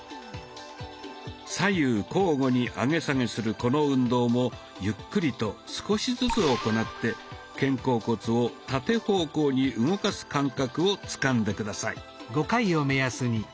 左右交互に上げ下げするこの運動もゆっくりと少しずつ行って肩甲骨を縦方向に動かす感覚をつかんで下さい。